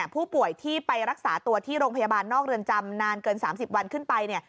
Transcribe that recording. ผู้ป่วยที่ไปรักษาตัวที่โรงพยาบาลนอกเรือนจำนานเกิน๓๐วันขึ้นไปเนี่ย